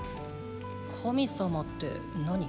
神様って何？